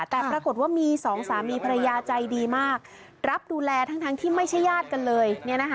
แต่ปรากฏว่ามีสองสามีภรรยาใจดีมากรับดูแลทั้งที่ไม่ใช่ญาติกันเลย